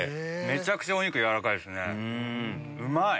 めちゃくちゃお肉軟らかいですうまい！